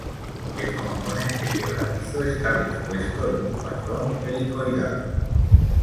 El componente quebradizo está dispuesto en un patrón helicoidal.